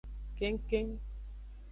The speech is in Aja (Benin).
Kengkeng.